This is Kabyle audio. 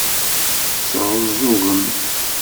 Tesɛuẓẓugem.